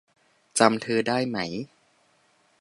จำเธอได้ไหม ?